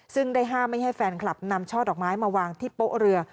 ซึ่งได้ห้ามไม่ให้แฟนคลับนำช่อดอกไม้มาวางที่โป๊ะเรือ